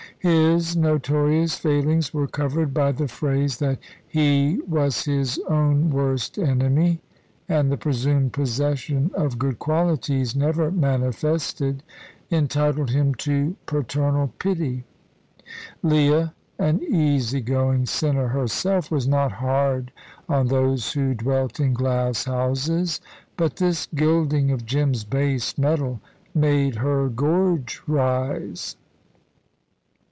His notorious failings were covered by the phrase that "he was his own worst enemy," and the presumed possession of good qualities, never manifested, entitled him to paternal pity. Leah, an easy going sinner herself, was not hard on those who dwelt in glass houses. But this gilding of Jim's base metal made her gorge rise.